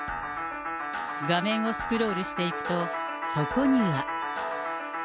画面をスクロールしていくと、そこには。